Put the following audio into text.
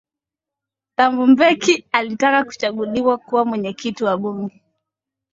thabo mbeki alitaka kuchaguliwa kuwa mwenyekiti wa bunge